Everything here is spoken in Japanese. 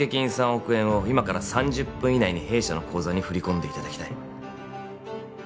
３億円を今から３０分以内に弊社の口座に振り込んでいただきたい